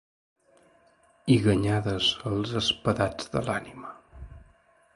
I ganyades als espadats de l’ànima.